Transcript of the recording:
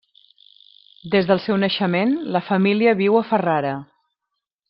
Des del seu naixement, la família viu a Ferrara.